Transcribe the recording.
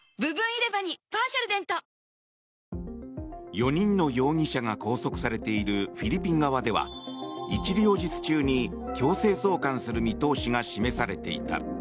４人の容疑者が拘束されているフィリピン側では一両日中に強制送還する見通しが示されていた。